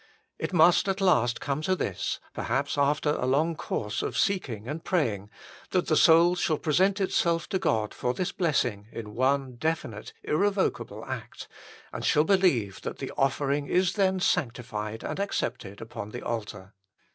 It must at last come to this, HOW FULLY IT IS ASSURED TO US BY GOD 143 perhaps after a long course of seeking and praying, that the soul shall present itself to God for this blessing in one definite, irrevocable act, and shall believe that the offering is then sanctified and accepted upon the altar.